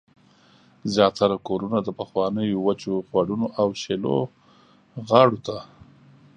زیاتره کورونه د پخوانیو وچو خوړونو او شیلو غاړو ته